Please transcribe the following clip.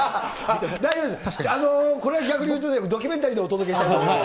これ、逆に言うと、ドキュメンタリーでお届けしたいと思います。